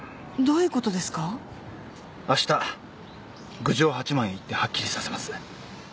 あした郡上八幡へ行ってはっきりさせます。